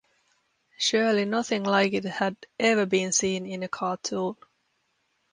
Surely nothing like it had ever been seen in a cartoon.